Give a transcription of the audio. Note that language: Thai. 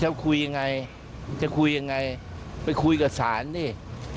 จะคุยยังไงจะคุยยังไงไปคุยกับศาลนี่